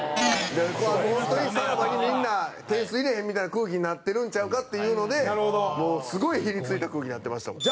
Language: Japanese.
本当にさらばにみんな点数入れへんみたいな空気になってるんちゃうかっていうのでもうすごいヒリついた空気になってましたもん。